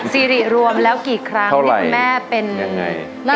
ซีริรวมแล้วกี่ครั้งที่คุณแม่เป็น